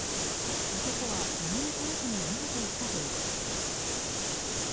男は、何もとらずに逃げていったということです。